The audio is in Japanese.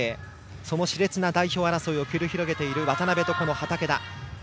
そのしれつな代表争いを繰り広げている渡部と畠田。